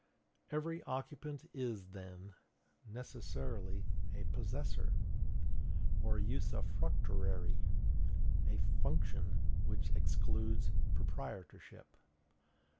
Every occupant is, then, necessarily a possessor or usufructuary, a function which excludes proprietorship.